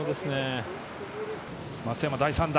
松山、第３打。